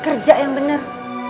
kerja yang benar